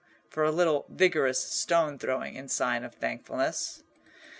for a little vigorous stone throwing in sign of thankfulness.